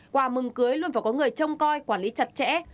quà mừng cưới luôn phải có người trông coi quản lý chặt chẽ